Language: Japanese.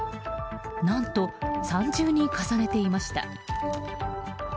何と、三重に重ねていました。